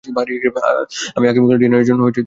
আমি আগামীকাল ডিনারের জন্য ফিরে আসব।